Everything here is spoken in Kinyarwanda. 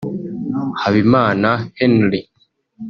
Habimana Henri